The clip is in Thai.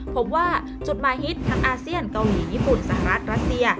พบว่าจุดหมายฮิตทั้งอาเซียนเกาหลีญี่ปุ่นสหรัฐรัสเซีย